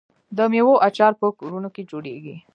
د میوو اچار په کورونو کې جوړیږي.